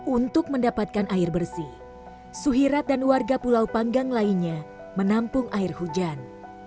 untuk mendapatkan air bersih suhirat dan warga pulau panggang lainnya menampung air hujan